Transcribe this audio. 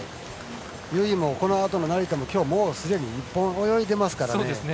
由井もこのあとの成田ももうきょうすでに１本泳いでますから。